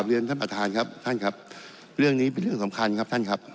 เรียนท่านประธานครับท่านครับเรื่องนี้เป็นเรื่องสำคัญครับท่านครับ